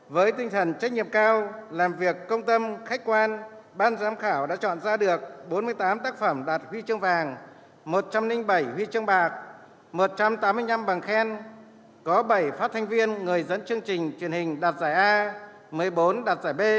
với tinh thần trách nhiệm cao làm việc công tâm khách quan ban giám khảo đã chọn ra được bốn mươi tám tác phẩm đạt huy chương vàng một trăm linh bảy huy chương bạc một trăm tám mươi năm bằng khen có bảy phát thanh viên người dẫn chương trình truyền hình đạt giải a một mươi bốn đạt giải b